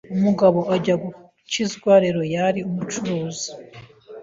Umugabo ajya gukizwa reroyari umucuruzi